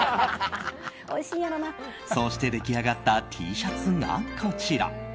そうして出来上がったＴシャツがこちら。